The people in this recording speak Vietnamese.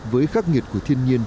với khắc nghiệt của thiên nhiên